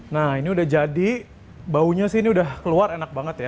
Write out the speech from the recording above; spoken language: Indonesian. nah ini udah jadi baunya sih ini udah keluar enak banget ya